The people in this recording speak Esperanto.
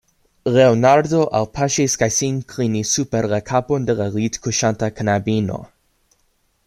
Leonardo alpaŝis kaj sin klinis super la kapon de la litkuŝanta knabino.